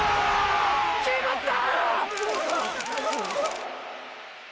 決まった！！